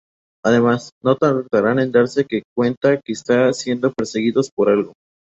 Además, no tardarán en darse que cuenta que están siendo perseguidos por algo.